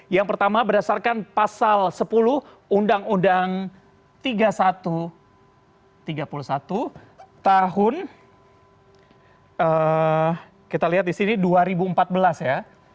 yang pertama berdasarkan pasal sepuluh undang undang tiga puluh satu tahun kita lihat disini dua ribu empat belas ya